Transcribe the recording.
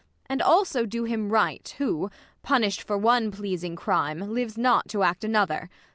And also do him right, who, punLsht for One pleasing crime, lives not to act another.